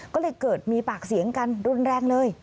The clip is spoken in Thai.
ก็เลยเกิดมีปากเสียงกันรุนแรงเลย